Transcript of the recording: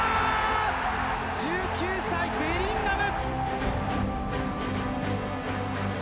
１９歳、ベリンガム！